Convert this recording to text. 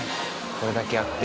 これだけあって。